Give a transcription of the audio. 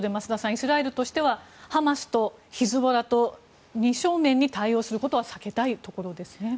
イスラエルとしてはハマスとヒズボラと二正面に対応することは避けたいところですね。